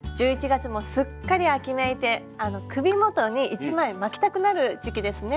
１１月もすっかり秋めいて首元に１枚巻きたくなる時期ですね。